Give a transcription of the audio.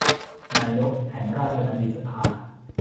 นายกแห่งราชบัณฑิตยสภา